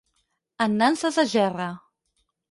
En nanses de gerra.